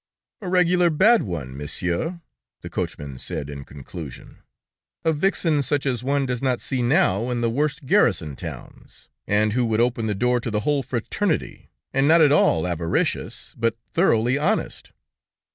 "A regular bad one, Monsieur," the coachman said in conclusion, "a vixen such as one does not see now in the worst garrison towns, and who would open the door to the whole fraternity, and not at all avaricious, but thoroughly honest...."